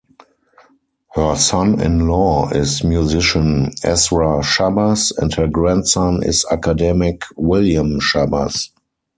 Her son-in-law is musician Ezra Schabas and her grandson is academic William Schabas.